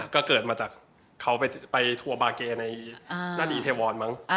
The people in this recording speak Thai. ก็เกิดมาจากเขาไปทัวร์บาเกย์ในหน้าดีเทวอนมั้ง